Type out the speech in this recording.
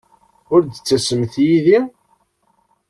Ur d-ttasemt yid-i?